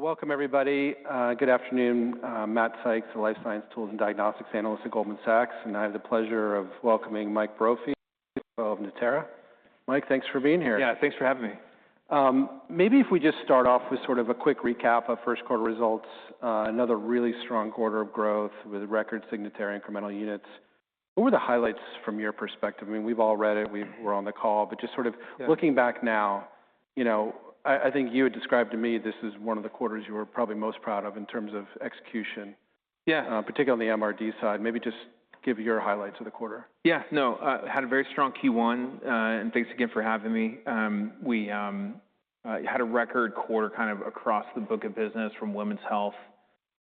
Welcome, everybody. Good afternoon. Matt Sykes, the Life Science Tools and Diagnostics Analyst at Goldman Sachs. And I have the pleasure of welcoming Mike Brophy, of Natera. Mike, thanks for being here. Yeah, thanks for having me. Maybe if we just start off with sort of a quick recap of first quarter results, another really strong quarter of growth with record Signatera incremental units. What were the highlights from your perspective? I mean, we've all read it. We're on the call. But just sort of looking back now, I think you had described to me this is one of the quarters you were probably most proud of in terms of execution, particularly on the MRD side. Maybe just give your highlights of the quarter. Yeah, no, I had a very strong Q1. Thanks again for having me. We had a record quarter kind of across the book of business, from Women's Health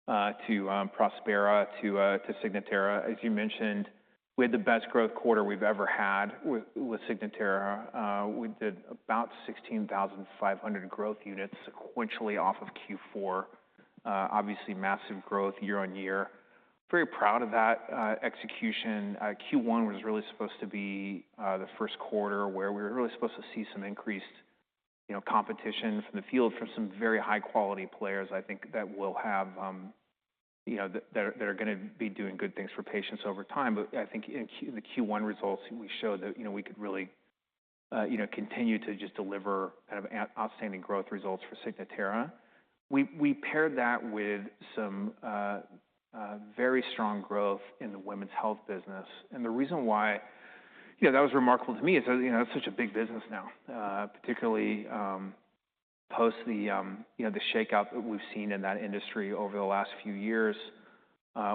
to Prospera to Signatera. As you mentioned, we had the best growth quarter we've ever had with Signatera. We did about 16,500 growth units sequentially off of Q4. Obviously, massive growth year on year. Very proud of that execution. Q1 was really supposed to be the first quarter where we were really supposed to see some increased competition from the field, from some very high-quality players I think that will have that are going to be doing good things for patients over time. I think in the Q1 results, we showed that we could really continue to just deliver kind of outstanding growth results for Signatera. We paired that with some very strong growth in the women's health business. The reason why that was remarkable to me is that's such a big business now, particularly post the shakeout that we've seen in that industry over the last few years.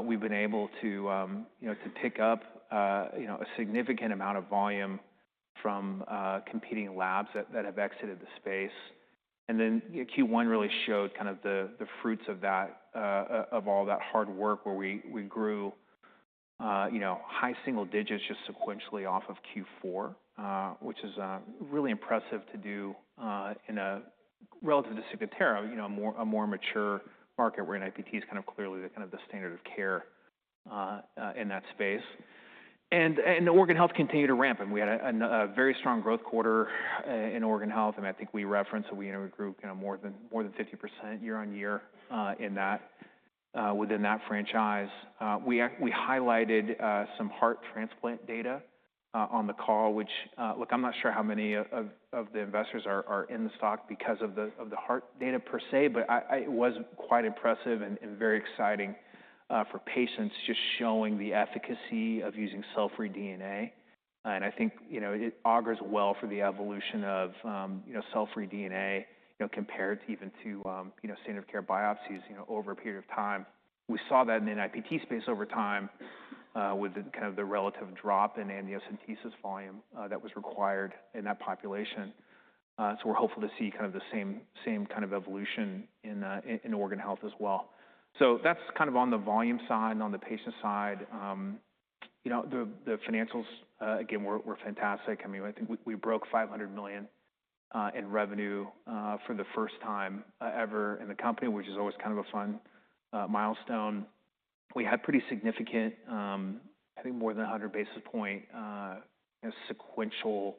We've been able to pick up a significant amount of volume from competing labs that have exited the space. Q1 really showed kind of the fruits of all that hard work where we grew high single digits just sequentially off of Q4, which is really impressive to do in a, relative to Signatera, a more mature market where NIPT is kind of clearly kind of the standard of care in that space. Organ health continued to ramp. We had a very strong growth quarter in organ health. I think we referenced that we grew more than 50% year on year in that within that franchise. We highlighted some heart transplant data on the call, which, look, I'm not sure how many of the investors are in the stock because of the heart data per se, but it was quite impressive and very exciting for patients just showing the efficacy of using cell-free DNA. I think it augurs well for the evolution of cell-free DNA compared even to standard of care biopsies over a period of time. We saw that in the NIPT space over time with kind of the relative drop in amniocentesis volume that was required in that population. We're hopeful to see kind of the same kind of evolution in organ health as well. That's kind of on the volume side, on the patient side. The financials, again, were fantastic. I mean, I think we broke $500 million in revenue for the first time ever in the company, which is always kind of a fun milestone. We had pretty significant, I think more than 100 basis point sequential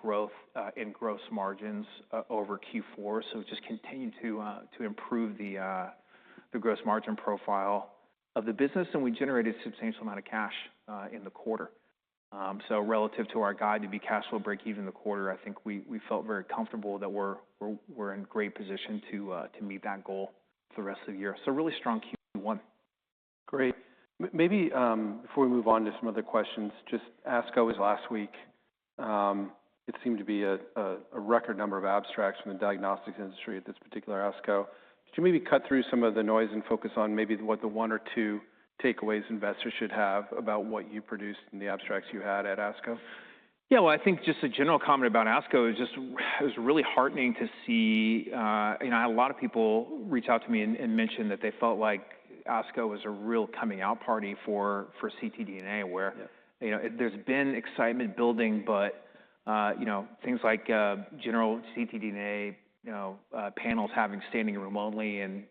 growth in gross margins over Q4. It just continued to improve the gross margin profile of the business. We generated a substantial amount of cash in the quarter. Relative to our guide to be cash flow breakeven in the quarter, I think we felt very comfortable that we're in great position to meet that goal for the rest of the year. Really strong Q1. Great. Maybe before we move on to some other questions, just ASCO was last week. It seemed to be a record number of abstracts from the diagnostics industry at this particular ASCO. Could you maybe cut through some of the noise and focus on maybe what the one or two takeaways investors should have about what you produced and the abstracts you had at ASCO? Yeah, I think just a general comment about ASCO is just it was really heartening to see a lot of people reach out to me and mention that they felt like ASCO was a real coming out party for ctDNA, where there's been excitement building, but things like general ctDNA panels having standing room only and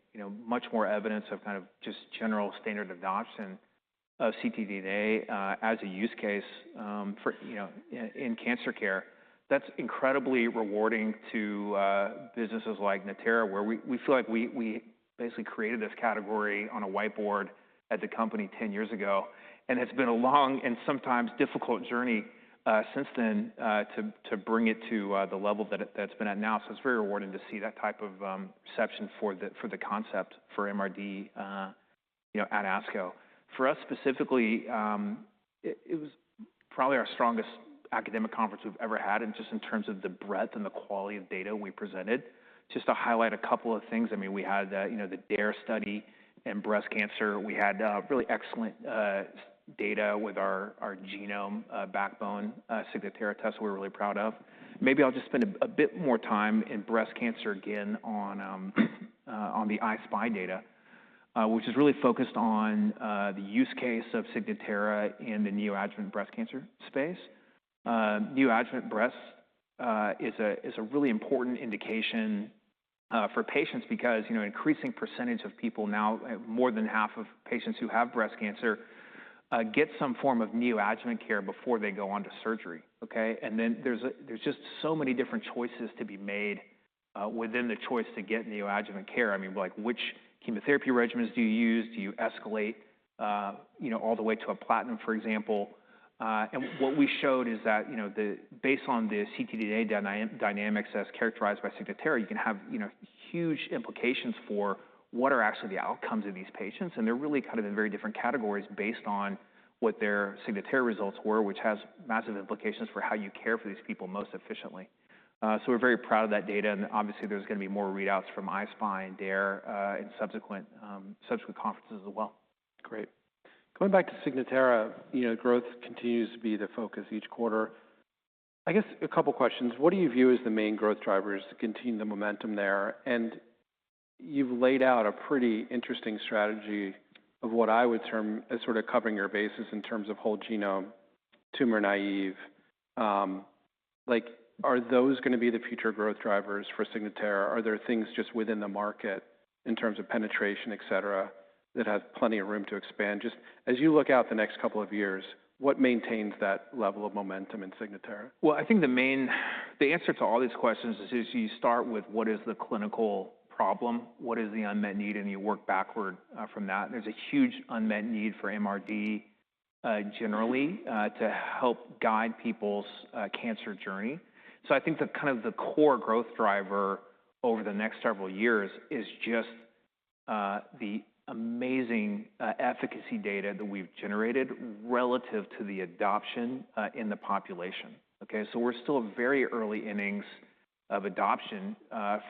much more evidence of kind of just general standard adoption of ctDNA as a use case in cancer care. That's incredibly rewarding to businesses like Natera, where we feel like we basically created this category on a whiteboard at the company 10 years ago. It's been a long and sometimes difficult journey since then to bring it to the level that it's been at now. It's very rewarding to see that type of reception for the concept for MRD at ASCO. For us specifically, it was probably our strongest academic conference we've ever had, just in terms of the breadth and the quality of data we presented. Just to highlight a couple of things, I mean, we had the DARE study in breast cancer. We had really excellent data with our genome backbone Signatera test that we're really proud of. Maybe I'll just spend a bit more time in breast cancer again on the iSPY data, which is really focused on the use case of Signatera in the neoadjuvant breast cancer space. Neoadjuvant breast is a really important indication for patients because an increasing percentage of people now, more than half of patients who have breast cancer, get some form of neoadjuvant care before they go on to surgery. There are just so many different choices to be made within the choice to get neoadjuvant care. I mean, which chemotherapy regimens do you use? Do you escalate all the way to a platinum, for example? What we showed is that based on the ctDNA dynamics as characterized by Signatera, you can have huge implications for what are actually the outcomes of these patients. They are really kind of in very different categories based on what their Signatera results were, which has massive implications for how you care for these people most efficiently. We are very proud of that data. Obviously, there is going to be more readouts from iSPY and DARE in subsequent conferences as well. Great. Going back to Signatera, growth continues to be the focus each quarter. I guess a couple of questions. What do you view as the main growth drivers to continue the momentum there? You've laid out a pretty interesting strategy of what I would term as sort of covering your bases in terms of whole genome, tumor naive. Are those going to be the future growth drivers for Signatera? Are there things just within the market in terms of penetration, et cetera, that have plenty of room to expand? Just as you look out the next couple of years, what maintains that level of momentum in Signatera? I think the answer to all these questions is you start with what is the clinical problem? What is the unmet need? And you work backward from that. There's a huge unmet need for MRD generally to help guide people's cancer journey. I think that kind of the core growth driver over the next several years is just the amazing efficacy data that we've generated relative to the adoption in the population. We're still very early innings of adoption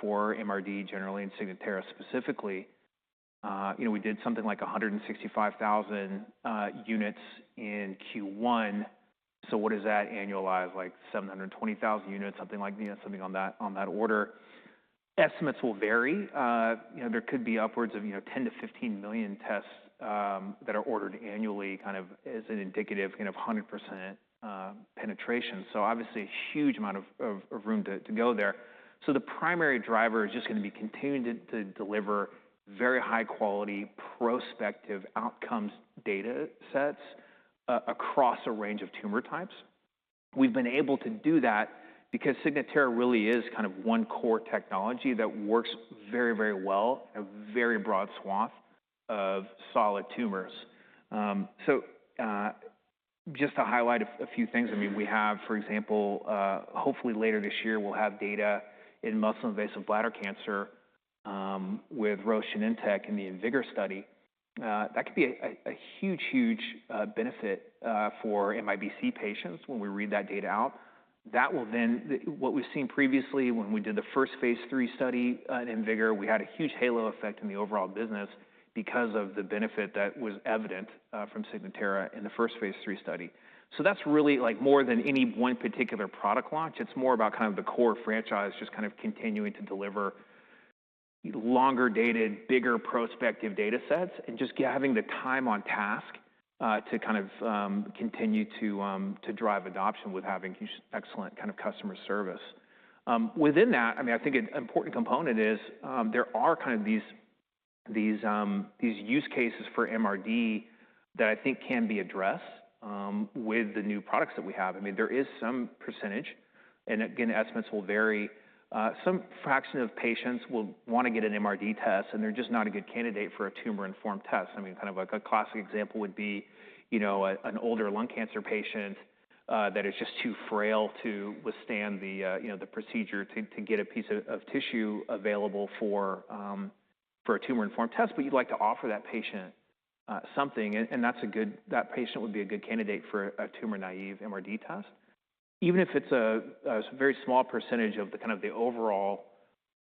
for MRD generally and Signatera specifically. We did something like 165,000 units in Q1. What does that annualize? Like 720,000 units, something like that, something on that order. Estimates will vary. There could be upwards of 10-15 million tests that are ordered annually kind of as an indicative kind of 100% penetration. Obviously, a huge amount of room to go there. The primary driver is just going to be continuing to deliver very high-quality prospective outcomes data sets across a range of tumor types. We've been able to do that because Signatera really is kind of one core technology that works very, very well in a very broad swath of solid tumors. Just to highlight a few things, I mean, we have, for example, hopefully later this year, we'll have data in muscle invasive bladder cancer with Roche Genentech in the InVigor study. That could be a huge, huge benefit for MIBC patients when we read that data out. That will then, what we've seen previously when we did the first phase three study at InVigor, we had a huge halo effect in the overall business because of the benefit that was evident from Signatera in the first phase three study. That's really more than any one particular product launch. It's more about kind of the core franchise just kind of continuing to deliver longer dated, bigger prospective data sets and just having the time on task to kind of continue to drive adoption with having excellent kind of customer service. Within that, I mean, I think an important component is there are kind of these use cases for MRD that I think can be addressed with the new products that we have. I mean, there is some percentage, and again, estimates will vary. Some fraction of patients will want to get an MRD test, and they're just not a good candidate for a tumor-informed test. I mean, kind of like a classic example would be an older lung cancer patient that is just too frail to withstand the procedure to get a piece of tissue available for a tumor-informed test, but you'd like to offer that patient something. That patient would be a good candidate for a tumor naive MRD test. Even if it's a very small percentage of the overall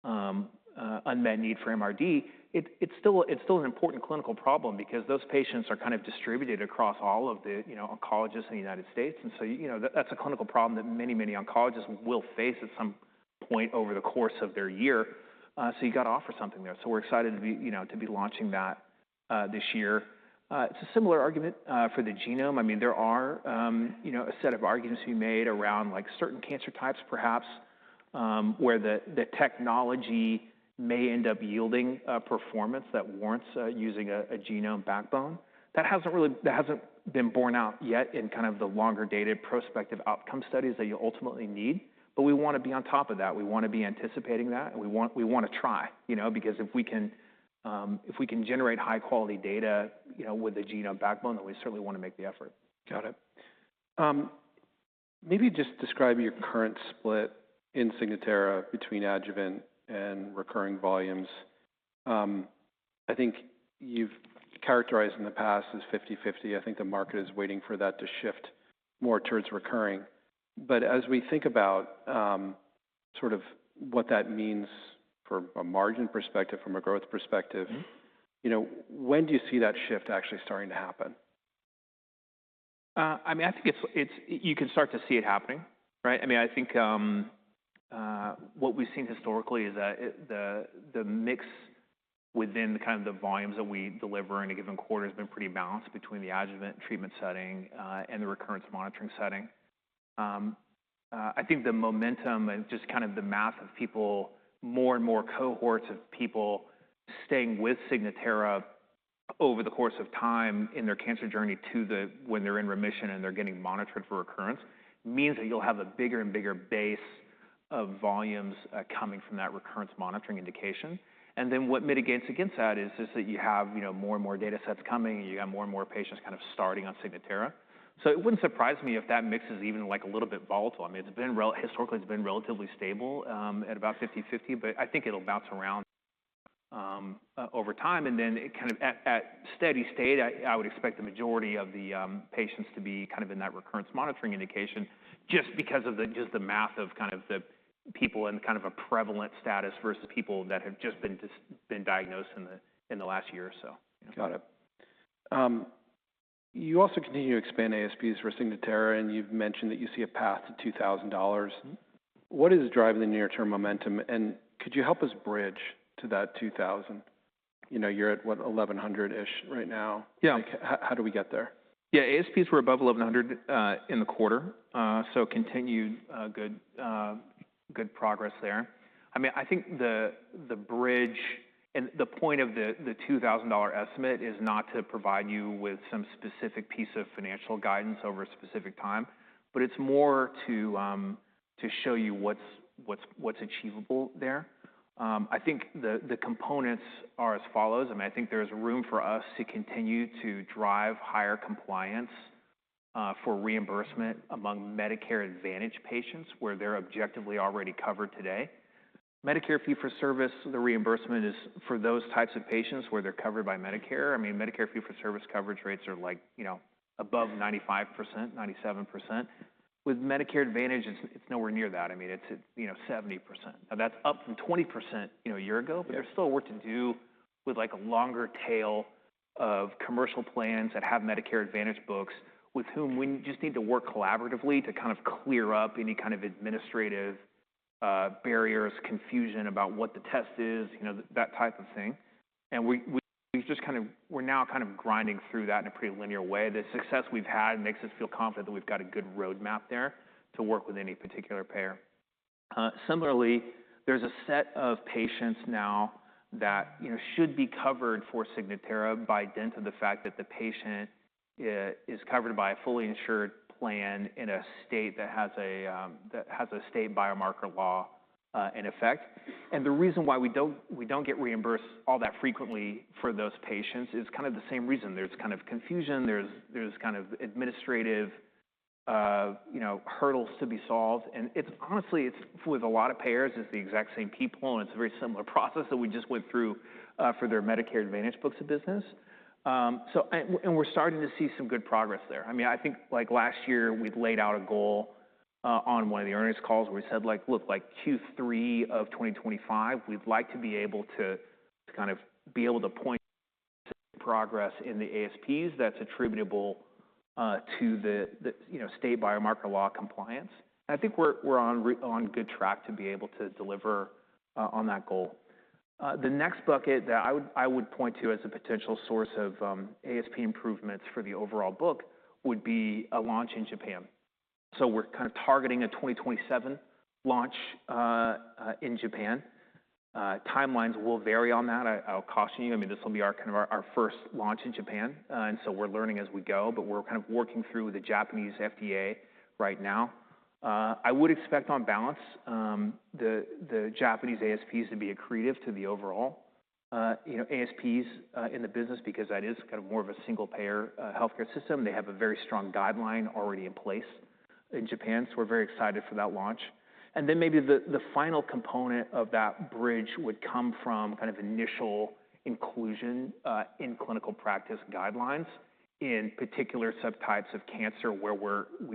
unmet need for MRD, it's still an important clinical problem because those patients are kind of distributed across all of the oncologists in the United States. That is a clinical problem that many, many oncologists will face at some point over the course of their year. You've got to offer something there. We're excited to be launching that this year. It's a similar argument for the genome. I mean, there are a set of arguments to be made around certain cancer types, perhaps, where the technology may end up yielding a performance that warrants using a genome backbone. That has not been borne out yet in kind of the longer dated prospective outcome studies that you ultimately need. We want to be on top of that. We want to be anticipating that. We want to try because if we can generate high-quality data with the genome backbone, then we certainly want to make the effort. Got it. Maybe just describe your current split in Signatera between adjuvant and recurring volumes. I think you've characterized in the past as 50/50. I think the market is waiting for that to shift more towards recurring. As we think about sort of what that means from a margin perspective, from a growth perspective, when do you see that shift actually starting to happen? I mean, I think you can start to see it happening. I mean, I think what we've seen historically is that the mix within kind of the volumes that we deliver in a given quarter has been pretty balanced between the adjuvant treatment setting and the recurrence monitoring setting. I think the momentum and just kind of the mass of people, more and more cohorts of people staying with Signatera over the course of time in their cancer journey to when they're in remission and they're getting monitored for recurrence means that you'll have a bigger and bigger base of volumes coming from that recurrence monitoring indication. What mitigates against that is that you have more and more data sets coming, and you have more and more patients kind of starting on Signatera. It wouldn't surprise me if that mix is even a little bit volatile. I mean, historically, it's been relatively stable at about 50/50, but I think it'll bounce around over time. At steady state, I would expect the majority of the patients to be kind of in that recurrence monitoring indication just because of just the mass of kind of the people and kind of a prevalent status versus people that have just been diagnosed in the last year or so. Got it. You also continue to expand ASPs for Signatera, and you've mentioned that you see a path to $2,000. What is driving the near-term momentum? Could you help us bridge to that $2,000? You're at, what, $1,100 right now? Yeah. How do we get there? Yeah, ASPs were above $1,100 in the quarter, so continued good progress there. I mean, I think the bridge and the point of the $2,000 estimate is not to provide you with some specific piece of financial guidance over a specific time, but it's more to show you what's achievable there. I think the components are as follows. I mean, I think there is room for us to continue to drive higher compliance for reimbursement among Medicare Advantage patients where they're objectively already covered today. Medicare Fee for Service, the reimbursement is for those types of patients where they're covered by Medicare. I mean, Medicare Fee for Service coverage rates are above 95%, 97%. With Medicare Advantage, it's nowhere near that. I mean, it's 70%. Now, that's up from 20% a year ago. Yes. But there's still work to do with a longer tail of commercial plans that have Medicare Advantage books with whom we just need to work collaboratively to kind of clear up any kind of administrative barriers, confusion about what the test is, that type of thing. We've just kind of we're now kind of grinding through that in a pretty linear way. The success we've had makes us feel confident that we've got a good roadmap there to work with any particular payer. Similarly, there's a set of patients now that should be covered for Signatera by dint of the fact that the patient is covered by a fully insured plan in a state that has a state biomarker law in effect. The reason why we do not get reimbursed all that frequently for those patients is kind of the same reason. There is kind of confusion. There are kind of administrative hurdles to be solved. Honestly, with a lot of payers, it is the exact same people, and it is a very similar process that we just went through for their Medicare Advantage books of business. We are starting to see some good progress there. I mean, I think last year, we laid out a goal on one of the earnings calls where we said, "Look, Q3 of 2025, we would like to be able to kind of be able to point to progress in the ASPs that is attributable to the state biomarker law compliance." I think we are on good track to be able to deliver on that goal. The next bucket that I would point to as a potential source of ASP improvements for the overall book would be a launch in Japan. We are kind of targeting a 2027 launch in Japan. Timelines will vary on that. I'll caution you. I mean, this will be kind of our first launch in Japan. We are learning as we go, but we are kind of working through the Japanese FDA right now. I would expect on balance, the Japanese ASPs to be accretive to the overall ASPs in the business because that is kind of more of a single payer healthcare system. They have a very strong guideline already in place in Japan. We are very excited for that launch. Maybe the final component of that bridge would come from kind of initial inclusion in clinical practice guidelines in particular subtypes of cancer where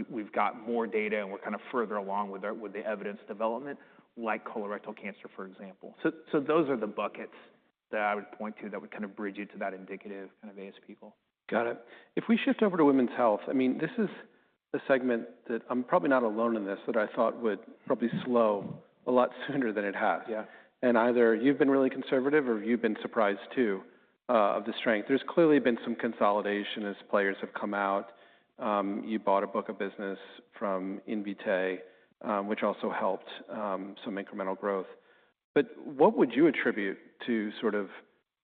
we've got more data and we're kind of further along with the evidence development, like colorectal cancer, for example. Those are the buckets that I would point to that would kind of bridge you to that indicative kind of ASP goal. Got it. If we shift over to women's health, I mean, this is a segment that I'm probably not alone in this that I thought would probably slow a lot sooner than it has. Either you've been really conservative or you've been surprised too of the strength. There's clearly been some consolidation as players have come out. You bought a book of business from Invitae, which also helped some incremental growth. What would you attribute to sort of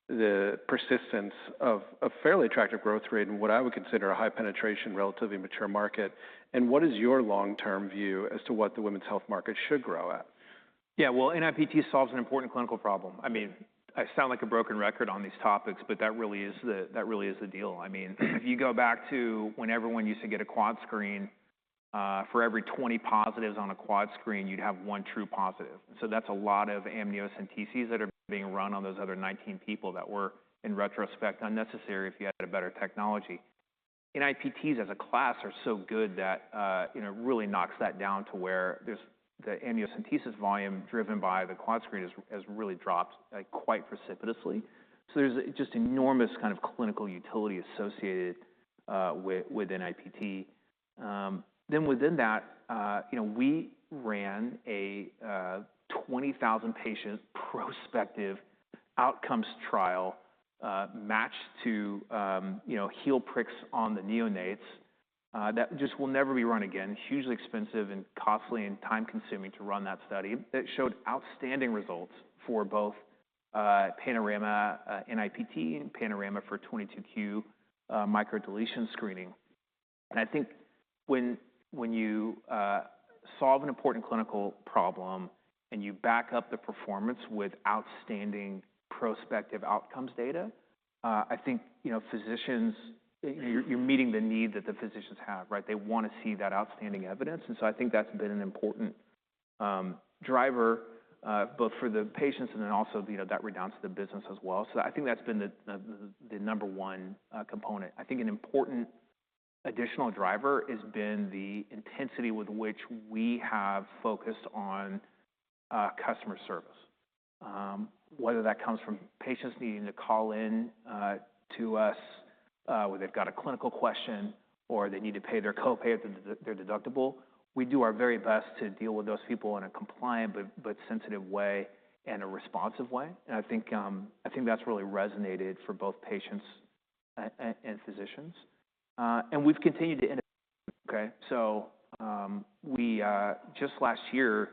the persistence of a fairly attractive growth rate and what I would consider a high penetration, relatively mature market? What is your long-term view as to what the women's health market should grow at? Yeah, NIPT solves an important clinical problem. I mean, I sound like a broken record on these topics, but that really is the deal. I mean, if you go back to when everyone used to get a quad screen, for every 20 positives on a quad screen, you'd have one true positive. That is a lot of amniocentesis that are being run on those other 19 people that were in retrospect unnecessary if you had a better technology. NIPTs as a class are so good that it really knocks that down to where the amniocentesis volume driven by the quad screen has really dropped quite precipitously. There is just enormous kind of clinical utility associated with NIPT. Within that, we ran a 20,000-patient prospective outcomes trial matched to heel pricks on the neonates that just will never be run again, hugely expensive and costly and time-consuming to run that study that showed outstanding results for both Panorama NIPT and Panorama for 22q microdeletion screening. I think when you solve an important clinical problem and you back up the performance with outstanding prospective outcomes data, I think you're meeting the need that the physicians have, right? They want to see that outstanding evidence. I think that's been an important driver both for the patients and then also that redounds to the business as well. I think that's been the number one component. I think an important additional driver has been the intensity with which we have focused on customer service, whether that comes from patients needing to call in to us where they've got a clinical question or they need to pay their copay at their deductible. We do our very best to deal with those people in a compliant but sensitive way and a responsive way. I think that's really resonated for both patients and physicians. We've continued to. Just last year,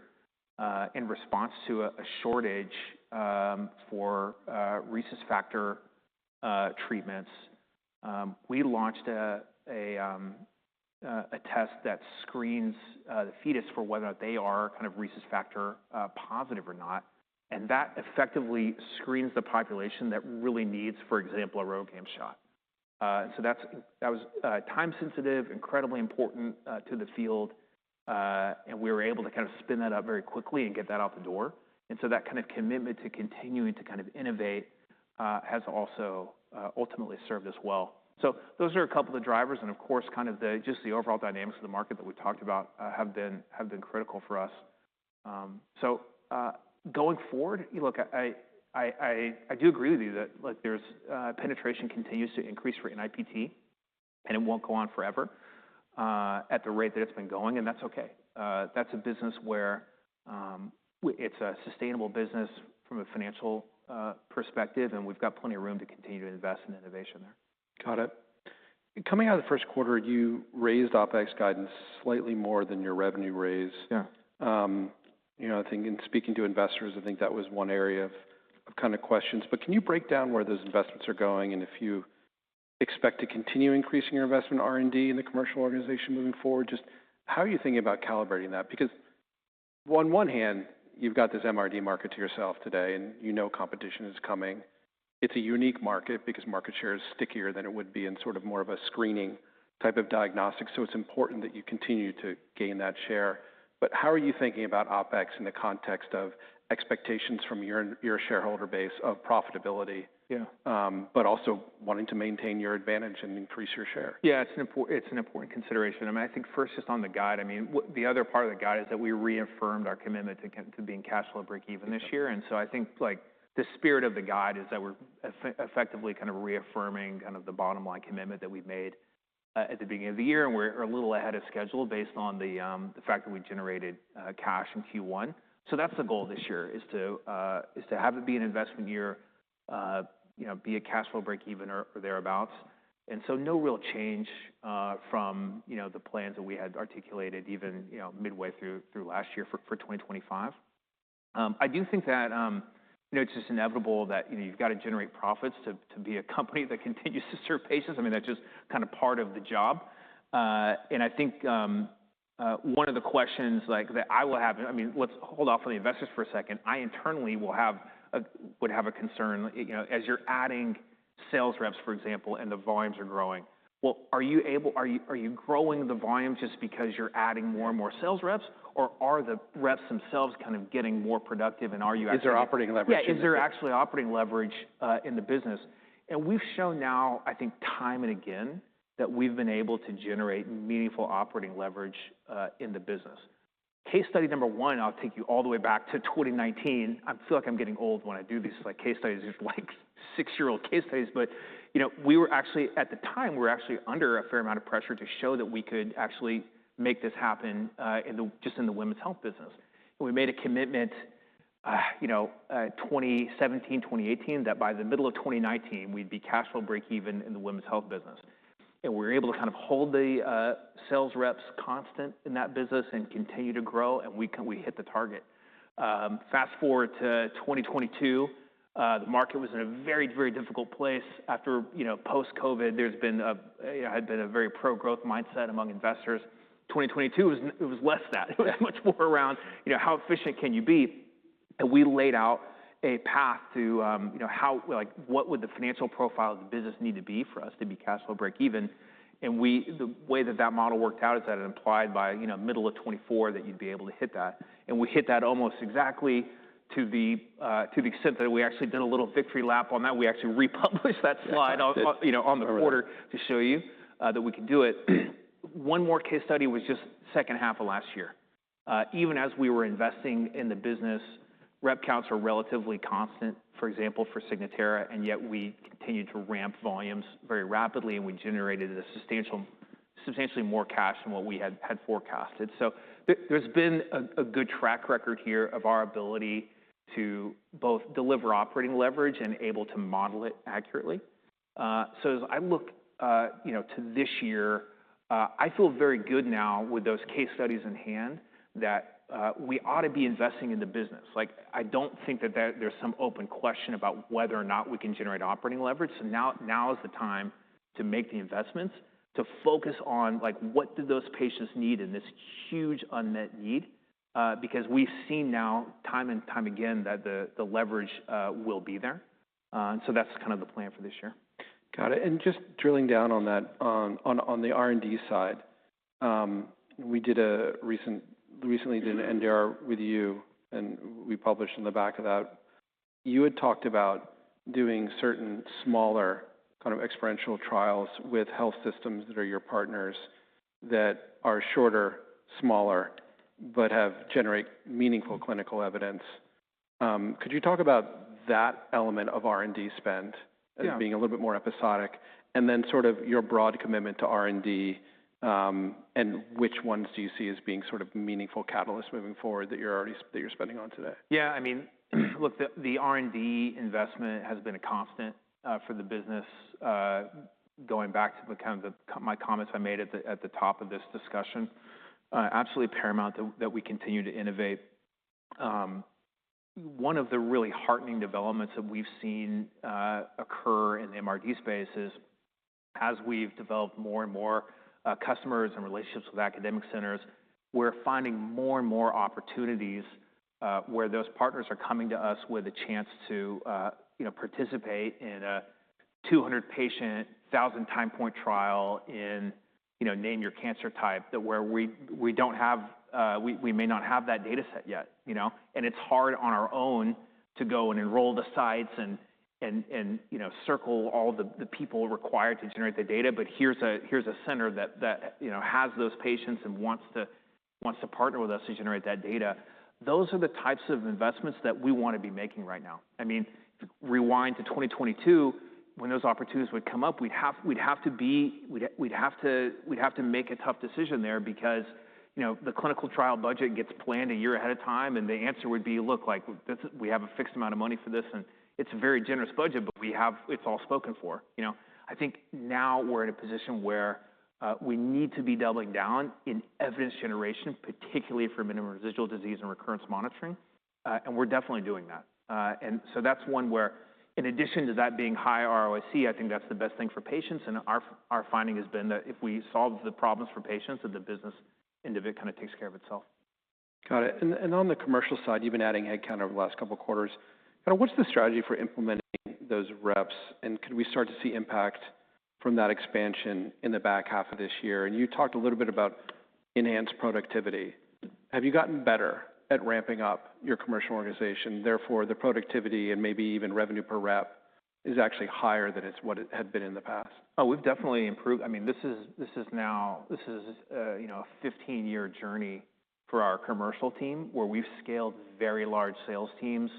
in response to a shortage for Rh factor treatments, we launched a test that screens the fetus for whether or not they are kind of Rh factor positive or not. That effectively screens the population that really needs, for example, a RhoGAM shot. That was time-sensitive, incredibly important to the field. We were able to kind of spin that up very quickly and get that out the door. That kind of commitment to continuing to kind of innovate has also ultimately served us well. Those are a couple of the drivers. Of course, just the overall dynamics of the market that we talked about have been critical for us. Going forward, look, I do agree with you that penetration continues to increase for NIPT, and it will not go on forever at the rate that it has been going. That is okay. That is a business where it is a sustainable business from a financial perspective, and we have got plenty of room to continue to invest in innovation there. Got it. Coming out of the first quarter, you raised OPEX guidance slightly more than your revenue raise. I think in speaking to investors, I think that was one area of kind of questions. Can you break down where those investments are going and if you expect to continue increasing your investment in R&D in the commercial organization moving forward? Just how are you thinking about calibrating that? On one hand, you have this MRD market to yourself today, and you know competition is coming. It is a unique market because market share is stickier than it would be in sort of more of a screening type of diagnostic. It is important that you continue to gain that share. How are you thinking about OPEX in the context of expectations from your shareholder base of profitability, but also wanting to maintain your advantage and increase your share? Yeah, it's an important consideration. I mean, I think first, just on the guide, I mean, the other part of the guide is that we reaffirmed our commitment to being cash flow break-even this year. I think the spirit of the guide is that we're effectively kind of reaffirming kind of the bottom-line commitment that we've made at the beginning of the year. We're a little ahead of schedule based on the fact that we generated cash in Q1. That's the goal this year is to have it be an investment year, be a cash flow break-even or thereabouts. No real change from the plans that we had articulated even midway through last year for 2025. I do think that it's just inevitable that you've got to generate profits to be a company that continues to serve patients. I mean, that's just kind of part of the job. I think one of the questions that I will have, I mean, let's hold off on the investors for a second. I internally would have a concern as you're adding sales reps, for example, and the volumes are growing. Are you growing the volume just because you're adding more and more sales reps, or are the reps themselves kind of getting more productive, and are you actually. Is there operating leverage? Yeah, is there actually operating leverage in the business? We've shown now, I think, time and again that we've been able to generate meaningful operating leverage in the business. Case study number one, I'll take you all the way back to 2019. I feel like I'm getting old when I do these case studies. It's like six-year-old case studies, but we were actually at the time under a fair amount of pressure to show that we could actually make this happen just in the women's health business. We made a commitment 2017, 2018 that by the middle of 2019, we'd be cash flow break-even in the women's health business. We were able to kind of hold the sales reps constant in that business and continue to grow, and we hit the target. Fast forward to 2022, the market was in a very, very difficult place. After post-COVID, there had been a very pro-growth mindset among investors. 2022, it was less that. It was much more around how efficient can you be? We laid out a path to what would the financial profile of the business need to be for us to be cash flow break-even. The way that that model worked out is that it implied by middle of 2024 that you'd be able to hit that. We hit that almost exactly to the extent that we actually did a little victory lap on that. We actually republished that slide on the quarter to show you that we could do it. One more case study was just second half of last year. Even as we were investing in the business, rep counts were relatively constant, for example, for Signatera, and yet we continued to ramp volumes very rapidly, and we generated substantially more cash than what we had forecasted. There has been a good track record here of our ability to both deliver operating leverage and able to model it accurately. As I look to this year, I feel very good now with those case studies in hand that we ought to be investing in the business. I do not think that there is some open question about whether or not we can generate operating leverage. Now is the time to make the investments to focus on what do those patients need in this huge unmet need because we have seen now time and time again that the leverage will be there. That is kind of the plan for this year. Got it. Just drilling down on that, on the R&D side, we recently did an NDR with you, and we published in the back of that. You had talked about doing certain smaller kind of exponential trials with health systems that are your partners that are shorter, smaller, but have generated meaningful clinical evidence. Could you talk about that element of R&D spend as being a little bit more episodic and then sort of your broad commitment to R&D and which ones do you see as being sort of meaningful catalysts moving forward that you're spending on today? Yeah, I mean, look, the R&D investment has been a constant for the business going back to kind of my comments I made at the top of this discussion. Absolutely paramount that we continue to innovate. One of the really heartening developments that we've seen occur in the MRD space is as we've developed more and more customers and relationships with academic centers, we're finding more and more opportunities where those partners are coming to us with a chance to participate in a 200-patient, 1,000-time point trial in name your cancer type where we don't have, we may not have that data set yet. It's hard on our own to go and enroll the sites and circle all the people required to generate the data, but here's a center that has those patients and wants to partner with us to generate that data. Those are the types of investments that we want to be making right now. I mean, rewind to 2022, when those opportunities would come up, we'd have to be, we'd have to make a tough decision there because the clinical trial budget gets planned a year ahead of time, and the answer would be, look, we have a fixed amount of money for this, and it's a very generous budget, but it's all spoken for. I think now we're in a position where we need to be doubling down in evidence generation, particularly for minimal residual disease and recurrence monitoring, and we're definitely doing that. That is one where, in addition to that being high ROIC, I think that's the best thing for patients. Our finding has been that if we solve the problems for patients, that the business end of it kind of takes care of itself. Got it. On the commercial side, you've been adding headcount over the last couple of quarters. What's the strategy for implementing those reps? Can we start to see impact from that expansion in the back half of this year? You talked a little bit about enhanced productivity. Have you gotten better at ramping up your commercial organization? Therefore, the productivity and maybe even revenue per rep is actually higher than what it had been in the past. Oh, we've definitely improved. I mean, this is now a 15-year journey for our commercial team where we've scaled very large sales teams,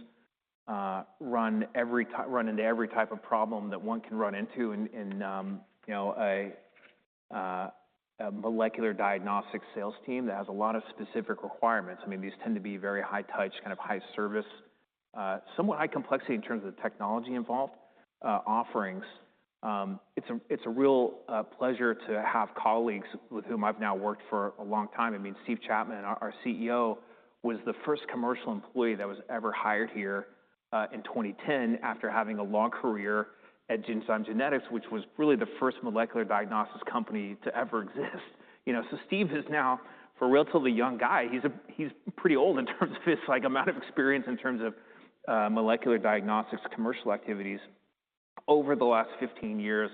run into every type of problem that one can run into in a molecular diagnostic sales team that has a lot of specific requirements. I mean, these tend to be very high-touch, kind of high service, somewhat high complexity in terms of the technology involved. Offerings. It's a real pleasure to have colleagues with whom I've now worked for a long time. I mean, Steve Chapman, our CEO, was the first commercial employee that was ever hired here in 2010 after having a long career at Genzyme Genetics, which was really the first molecular diagnostics company to ever exist. So Steve is now, for a relatively young guy, he's pretty old in terms of his amount of experience in terms of molecular diagnostics commercial activities. Over the last 15 years,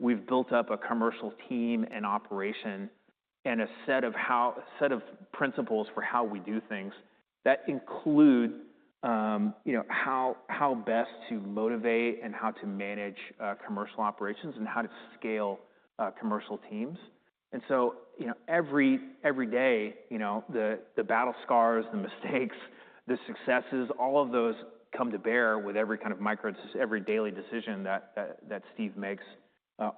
we've built up a commercial team and operation and a set of principles for how we do things that include how best to motivate and how to manage commercial operations and how to scale commercial teams. Every day, the battle scars, the mistakes, the successes, all of those come to bear with every kind of micro, every daily decision that Steve makes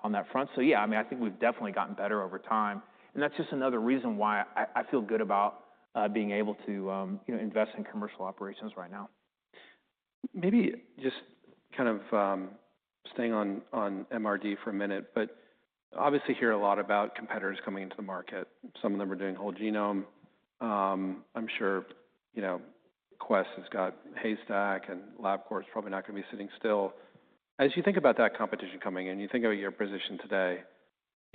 on that front. Yeah, I mean, I think we've definitely gotten better over time. That's just another reason why I feel good about being able to invest in commercial operations right now. Maybe just kind of staying on MRD for a minute, but obviously hear a lot about competitors coming into the market. Some of them are doing whole genome. I'm sure Quest has got Haystack and LabCorp is probably not going to be sitting still. As you think about that competition coming in, you think about your position today.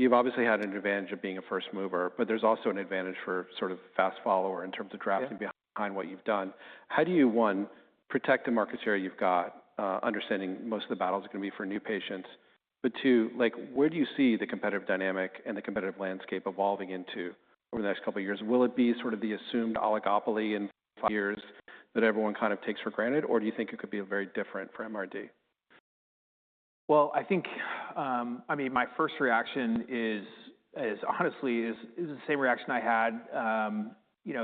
You've obviously had an advantage of being a first mover, but there's also an advantage for sort of fast follower in terms of drafting behind what you've done. How do you, one, protect the market share you've got, understanding most of the battles are going to be for new patients? Two, where do you see the competitive dynamic and the competitive landscape evolving into over the next couple of years? Will it be sort of the assumed oligopoly in five years that everyone kind of takes for granted, or do you think it could be very different for MRD? I think, I mean, my first reaction is honestly the same reaction I had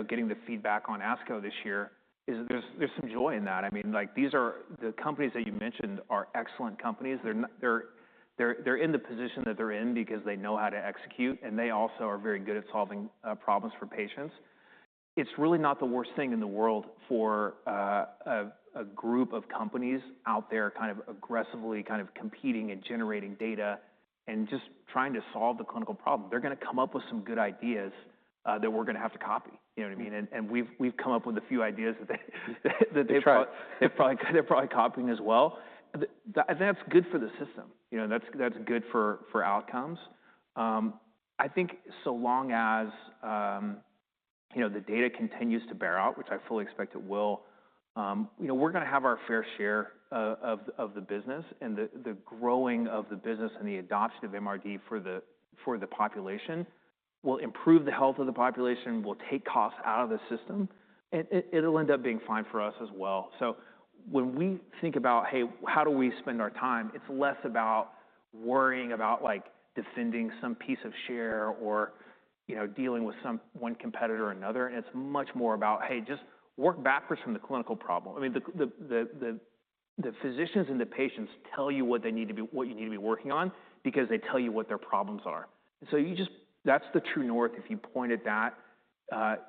getting the feedback on ASCO this year is there's some joy in that. I mean, the companies that you mentioned are excellent companies. They're in the position that they're in because they know how to execute, and they also are very good at solving problems for patients. It's really not the worst thing in the world for a group of companies out there kind of aggressively competing and generating data and just trying to solve the clinical problem. They're going to come up with some good ideas that we're going to have to copy. You know what I mean? And we've come up with a few ideas that they're probably copying as well. That's good for the system. That's good for outcomes. I think so long as the data continues to bear out, which I fully expect it will, we're going to have our fair share of the business, and the growing of the business and the adoption of MRD for the population will improve the health of the population, will take costs out of the system, and it'll end up being fine for us as well. When we think about, hey, how do we spend our time, it's less about worrying about defending some piece of share or dealing with one competitor or another. It's much more about, hey, just work backwards from the clinical problem. I mean, the physicians and the patients tell you what you need to be working on because they tell you what their problems are. That's the true north. If you point at that,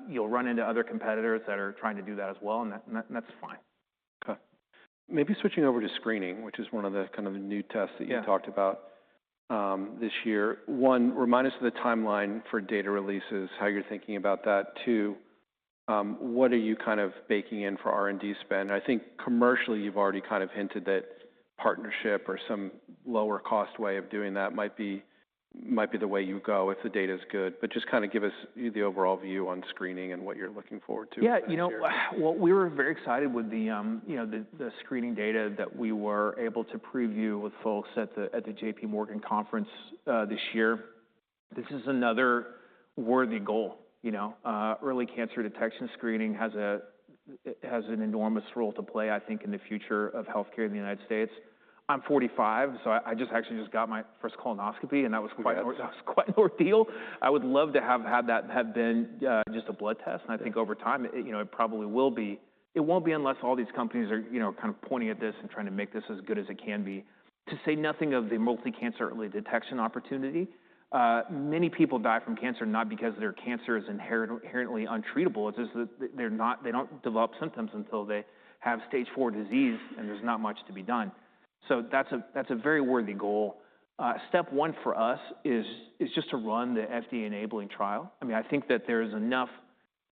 you'll run into other competitors that are trying to do that as well, and that's fine. Okay. Maybe switching over to screening, which is one of the kind of new tests that you talked about this year. One, remind us of the timeline for data releases, how you're thinking about that. Two, what are you kind of baking in for R&D spend? I think commercially you've already kind of hinted that partnership or some lower-cost way of doing that might be the way you go if the data is good, but just kind of give us the overall view on screening and what you're looking forward to. Yeah. You know what? We were very excited with the screening data that we were able to preview with folks at the JP Morgan conference this year. This is another worthy goal. Early cancer detection screening has an enormous role to play, I think, in the future of healthcare in the United States. I'm 45, so I just actually got my first colonoscopy, and that was quite an ordeal. I would love to have that have been just a blood test. I think over time, it probably will be. It will not be unless all these companies are kind of pointing at this and trying to make this as good as it can be. To say nothing of the multi-cancer early detection opportunity. Many people die from cancer not because their cancer is inherently untreatable. It's just that they don't develop symptoms until they have stage four disease, and there's not much to be done. That's a very worthy goal. Step one for us is just to run the FDA-enabling trial. I mean, I think that there is enough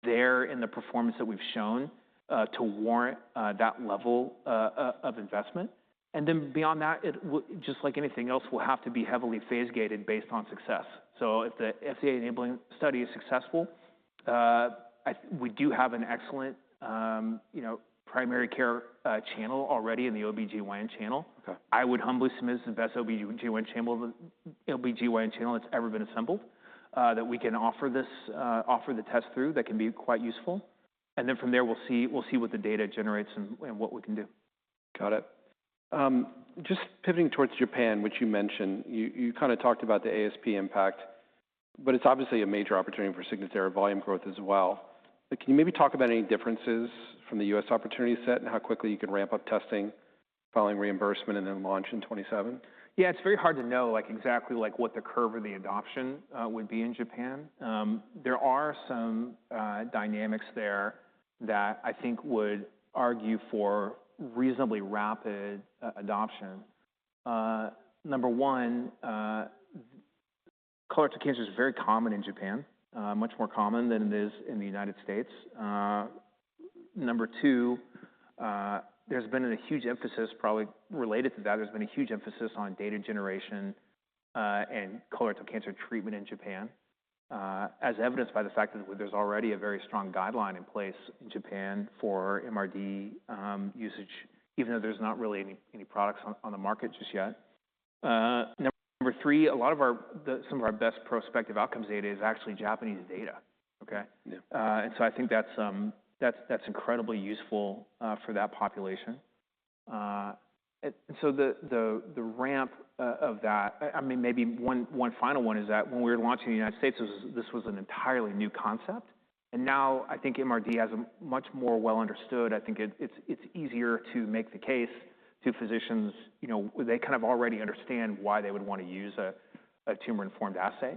there in the performance that we've shown to warrant that level of investment. Beyond that, just like anything else, we'll have to be heavily phase-gated based on success. If the FDA-enabling study is successful, we do have an excellent primary care channel already in the OB-GYN channel. I would humbly submit this is the best OB-GYN channel that's ever been assembled that we can offer the test through that can be quite useful. From there, we'll see what the data generates and what we can do. Got it. Just pivoting towards Japan, which you mentioned, you kind of talked about the ASP impact, but it is obviously a major opportunity for Signatera volume growth as well. Can you maybe talk about any differences from the U.S. opportunity set and how quickly you can ramp up testing following reimbursement and then launch in 2027? Yeah, it's very hard to know exactly what the curve of the adoption would be in Japan. There are some dynamics there that I think would argue for reasonably rapid adoption. Number one, colorectal cancer is very common in Japan, much more common than it is in the United States. Number two, there's been a huge emphasis probably related to that. There's been a huge emphasis on data generation and colorectal cancer treatment in Japan, as evidenced by the fact that there's already a very strong guideline in place in Japan for MRD usage, even though there's not really any products on the market just yet. Number three, some of our best prospective outcomes data is actually Japanese data. Okay? And so I think that's incredibly useful for that population. The ramp of that, I mean, maybe one final one is that when we were launching in the United States, this was an entirely new concept. Now I think MRD is much more well-understood. I think it's easier to make the case to physicians. They kind of already understand why they would want to use a tumor-informed assay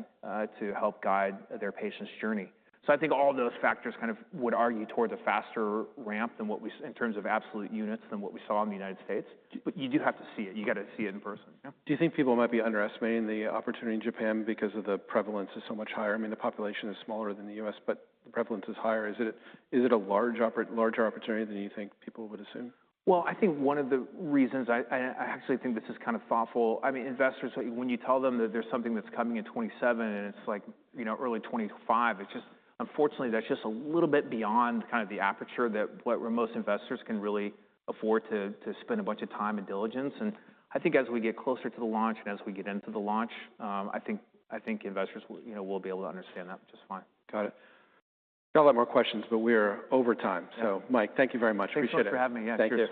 to help guide their patient's journey. I think all those factors would argue toward the faster ramp in terms of absolute units than what we saw in the United States. You do have to see it. You got to see it in person. Do you think people might be underestimating the opportunity in Japan because the prevalence is so much higher? I mean, the population is smaller than the U.S., but the prevalence is higher. Is it a larger opportunity than you think people would assume? I think one of the reasons, I actually think this is kind of thoughtful. I mean, investors, when you tell them that there's something that's coming in 2027 and it's like early 2025, it's just unfortunately, that's just a little bit beyond kind of the aperture that what most investors can really afford to spend a bunch of time and diligence. I think as we get closer to the launch and as we get into the launch, I think investors will be able to understand that just fine. Got it. Got a lot more questions, but we are over time. Mike, thank you very much. Appreciate it. Thank you so much for having me. Thank you.